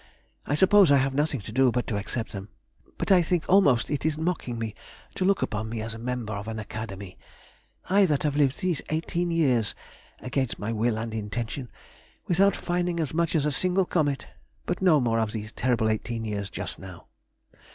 I suppose I have nothing to do but to accept them. But I think almost it is mocking me to look upon me as a Member of an Academy; I that have lived these eighteen years (against my will and intention) without finding as much as a single comet. But no more of these terrible eighteen years just now....